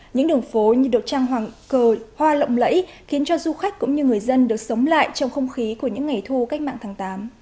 những đường phố như được trang hoàng cờ hoa lộng lẫy khiến cho du khách cũng như người dân được sống lại trong không khí của những ngày thu cách mạng tháng tám